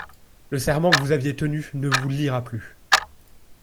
Le serment que vous aviez tenu, ne vous liera plus.